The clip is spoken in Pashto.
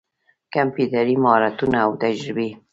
کمپيوټري مهارتونه او تجربې